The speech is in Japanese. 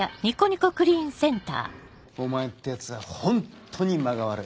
お前ってヤツはホントに間が悪い。